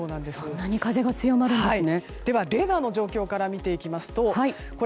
そんなに風が強まるんですね。